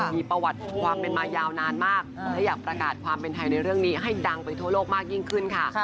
มีประวัติความเป็นมายาวนานมากและอยากประกาศความเป็นไทยในเรื่องนี้ให้ดังไปทั่วโลกมากยิ่งขึ้นค่ะ